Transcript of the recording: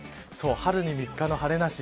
春に３日の晴れなし。